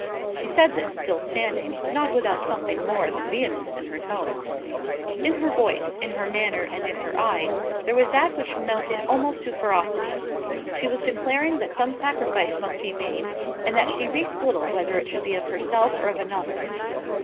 She said this, still standing, not without something more than vehemence in her tone. In her voice, in her manner, and in her eye there was that which amounted almost to ferocity. She was declaring that some sacrifice must be made, and that she recked little whether it should be of herself or of another.